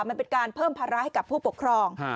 มันเป็นการเพิ่มภาระให้กับผู้ปกครอง